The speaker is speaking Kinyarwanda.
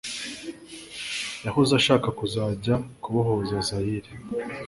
Yahoze ashaka kuzajya kubohoza Zaïre